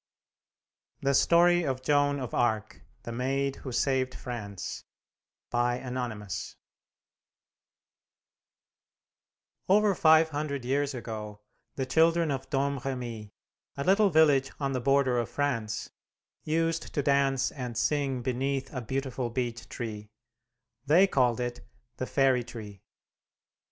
THE STORY OF JOAN OF ARC, THE MAID WHO SAVED FRANCE Anonymous Over five hundred years ago, the children of Domremy, a little village on the border of France, used to dance and sing beneath a beautiful beech tree. They called it "The Fairy Tree."